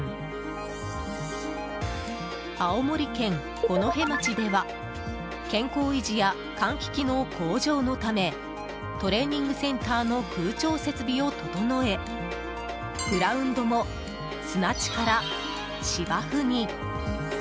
青森県五戸町では健康維持や換気機能向上のためトレーニングセンターの空調設備を整えグラウンドも砂地から芝生に。